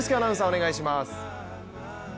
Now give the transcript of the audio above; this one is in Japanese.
お願いします。